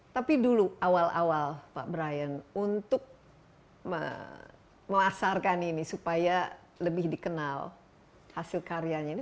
tapi dulu awal awal pak brian untuk memasarkan ini supaya lebih dikenal hasil karyanya ini